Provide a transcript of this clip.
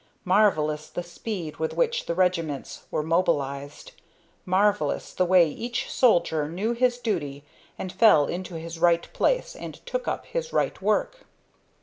Marvelous the speed with which the regiments were mobilized, marvelous the way each soldier knew his duty and fell into his right place and took up his right work.